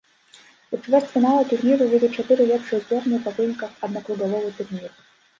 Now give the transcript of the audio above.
У чвэрцьфінал турніру выйдуць чатыры лепшыя зборныя па выніках аднакругавога турніру.